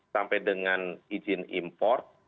sampai dengan izin import